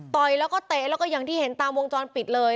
ยแล้วก็เตะแล้วก็อย่างที่เห็นตามวงจรปิดเลย